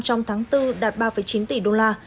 trong tháng bốn đạt ba chín tỷ đô la